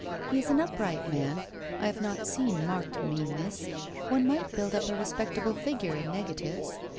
He is an upright man; I have not seen marked meanness. One might build up a respectable figure in negatives.